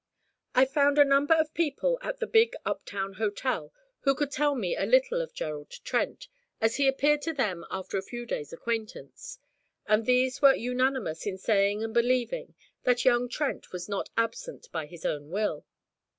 I found a number of people at the big up town hotel who could tell me a little of Gerald Trent, as he appeared to them after a few days' acquaintance; and these were unanimous in saying and believing that young Trent was not absent by his own will.